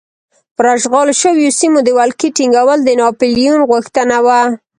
پر اشغال شویو سیمو د ولکې ټینګول د ناپلیون غوښتنه وه.